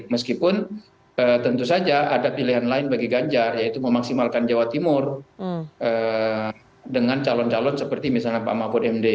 meskipun tentu saja ada pilihan lain bagi ganjar yaitu memaksimalkan jawa timur dengan calon calon seperti misalnya pak mahfud md